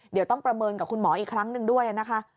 เดี๋ยวต้องประเมินกับคุณหมออีกครั้งหนึ่งด้วยนะคะ